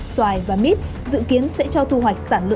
xoài và mít dự kiến sẽ cho thu hoạch